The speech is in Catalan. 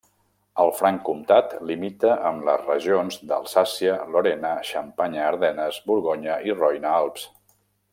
El Franc Comtat limita amb les regions d'Alsàcia, Lorena, Xampanya-Ardenes, Borgonya i Roine-Alps.